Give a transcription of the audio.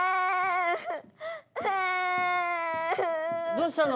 どうしたの？